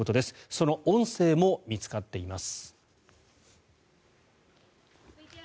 その音声も見つかっています。